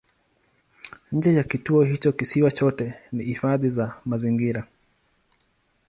Nje ya kituo hicho kisiwa chote ni hifadhi ya mazingira.